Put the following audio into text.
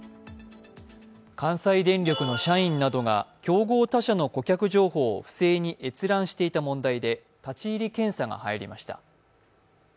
関西電力の社員などが競合他社の顧客情報などを不正に閲覧していた問題で立ち入り検査が入りました。